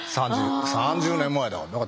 ３０年前だから。